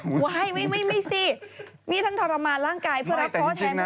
ว้ายไม่สิมีทั้งทรมานร่างกายเพื่อรักพ่อแทนพวกเราอย่างนี้